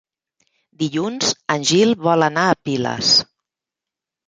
Dilluns en Gil vol anar a Piles.